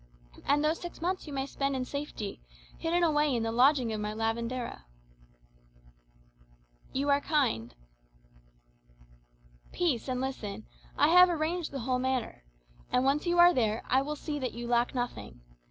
And those six months you may spend in safety, hidden away in the lodging of my lavandera."[#] [#] Washerwoman. "You are kind " "Peace, and listen. I have arranged the whole matter. And once you are there, I will see that you lack nothing.